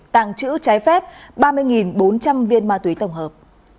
tàng trữ trái phép ba mươi bốn trăm linh viên ma túy tổng hợp